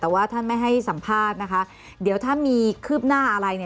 แต่ว่าท่านไม่ให้สัมภาษณ์นะคะเดี๋ยวถ้ามีคืบหน้าอะไรเนี่ย